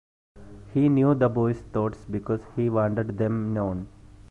He knew the boy's thoughts because he wanted them known.